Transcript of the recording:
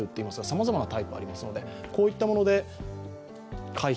さまざまなタイプのものがあります。